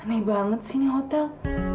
ini banget sih ini hotel